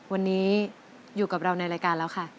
วันนี้อยู่กับเราในรายการแล้วค่ะ